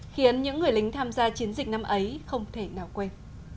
khiến những người lính tham gia chiến dịch năm ấy không thể nào quên